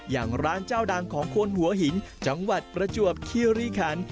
อย่างร้านเจ้าดังของคนหัวหินจังหวัดประจวบคิริคัน